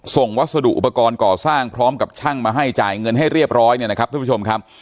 วัสดุอุปกรณ์ก่อสร้างพร้อมกับช่างมาให้จ่ายเงินให้เรียบร้อยเนี่ยนะครับทุกผู้ชมครับ